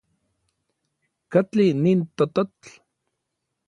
¿Katli nin tototl?